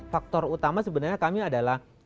faktor utama sebenarnya kami adalah